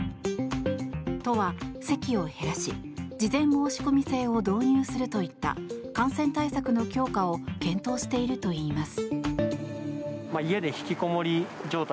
都は、席を減らし事前申込制を導入するといった感染対策の強化を検討しているといいます。